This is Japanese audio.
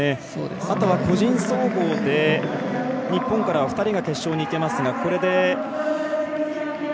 あとは個人総合で日本からは２人が決勝に行けますから。